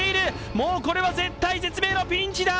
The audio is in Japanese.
もうこれは絶体絶命のピンチだ。